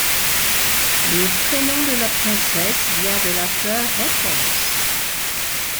Le prénom de la princesse vient de la fleur Raiponce.